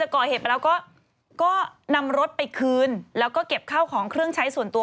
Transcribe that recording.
ก็นำรถไปคืนแล้วก็เก็บข้าวของเครื่องใช้ส่วนตัว